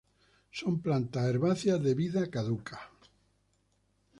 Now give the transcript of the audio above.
Son plantas herbáceas de vida caduca.